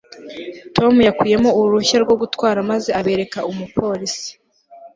tom yakuyemo uruhushya rwo gutwara maze abereka umupolisi